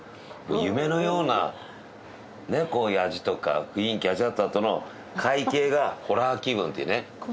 夢のようなねこういう味とか雰囲気を味わったあとの会計がホラー気分っていうね。